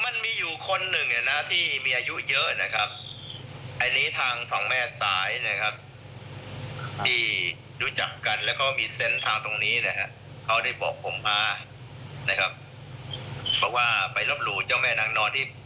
ลบหลู่ในลักษณะไหนครับอาจารย์